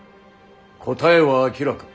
答えは明らか。